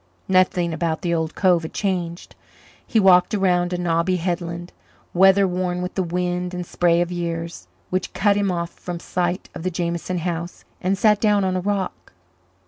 Nothing about the old cove had changed; he walked around a knobby headland, weather worn with the wind and spray of years, which cut him off from sight of the Jameson house, and sat down on a rock.